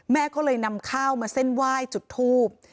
แม่ก็เลยนำข้าวมาเส้นไหว้จุดทูบ